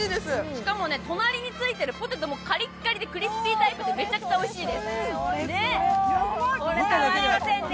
しかも隣についてるポテトもカリッカリでクリスピータイプでめちゃくちゃおいしいですこれ、たまりませんね。